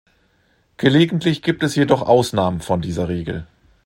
Gelegentlich gibt es jedoch Ausnahmen von dieser Regel.